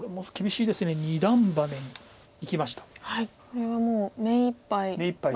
これはもう目いっぱい。